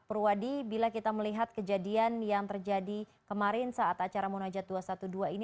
purwadi bila kita melihat kejadian yang terjadi kemarin saat acara munajat dua ratus dua belas ini